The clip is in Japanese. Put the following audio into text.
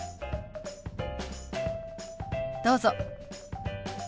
どうぞ。